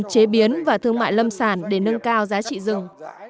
chế biến và thương mại lâm sản để nâng cao giá trị rừng